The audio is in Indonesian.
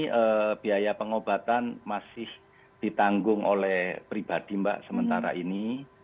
tapi biaya pengobatan masih ditanggung oleh pribadi mbak sementara ini